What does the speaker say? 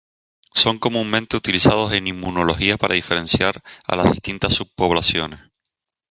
Son comúnmente utilizados en inmunología para diferenciar a las distintas subpoblaciones.